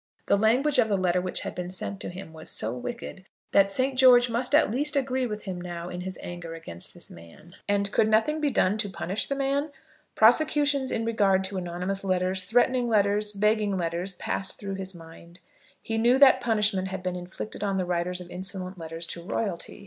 The language of the letter which had been sent to him was so wicked, that St. George must at least agree with him now in his anger against this man. And could nothing be done to punish the man? Prosecutions in regard to anonymous letters, threatening letters, begging letters, passed through his mind. He knew that punishment had been inflicted on the writers of insolent letters to royalty.